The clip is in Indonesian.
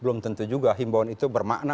belum tentu juga himbauan itu bermakna